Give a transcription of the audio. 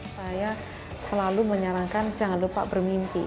saya selalu menyarankan jangan lupa bermimpi